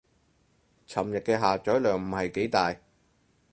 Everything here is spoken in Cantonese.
尋日嘅下載量唔係幾大